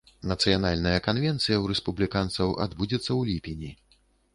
Нацыянальная канвенцыя ў рэспубліканцаў адбудзецца ў ліпені.